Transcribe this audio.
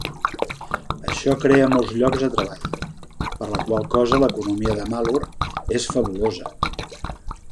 Això crea molts llocs de treball, per la qual cosa l'economia de Malur és fabulosa.